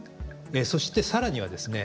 そしてさらにはですね